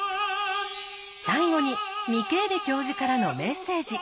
最後にミケーレ教授からのメッセージ。